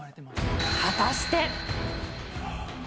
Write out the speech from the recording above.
果たして。